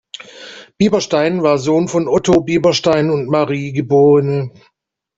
Bieberstein war Sohn von Otto Bieberstein und Marie geb.